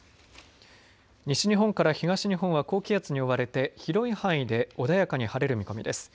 西日本から東日本は高気圧に覆われて広い範囲で穏やかに晴れる見込みです。